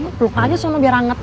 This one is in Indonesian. lu peluk aja sama biar hangat